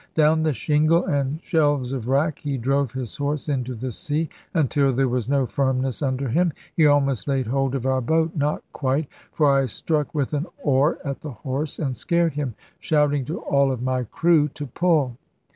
Down the shingle, and shelves of wrack, he drove his horse into the sea, until there was no firmness under him. He almost laid hold of our boat not quite; for I struck with an oar at the horse, and scared him, shouting to all of my crew to pull.